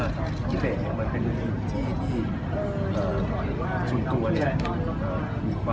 อันที่สุดท้ายก็คืออันที่สุดท้ายก็คืออั